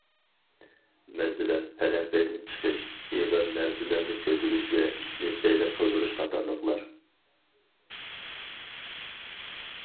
مەسىلەن: پەلەمپەيدىن چىقىش، ئېغىر نەرسىلەرنى كۆتۈرۈش ۋە ئىتنى سەيلە قىلدۇرۇش قاتارلىقلار.